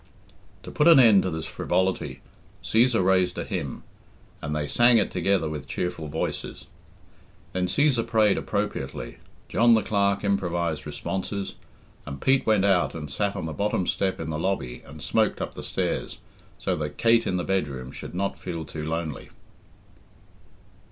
To put an end to this frivolity, Cæsar raised a hymn, and they sang it together with cheerful voices. Then Cæsar prayed appropriately, John the Clerk improvised responses, and Pete went out and sat on the bottom step in the lobby and smoked up the stairs, so that Kate in the bedroom should not feel too lonely.